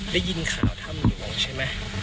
ได้ยินข่าวถ้ำหลวงใช่ไหม